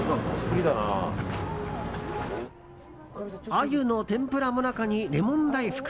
鮎の天ぷら最中にレモン大福。